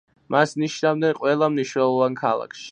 მას ნიშნავდნენ ყველა მნიშვნელოვან ქალაქში.